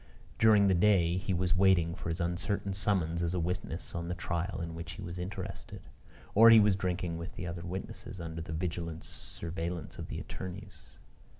During the day, he was waiting for his uncertain summons as a witness on the trial in which he was interested; or he was drinking with the other witnesses, under the vigilant surveillance of the attorneys.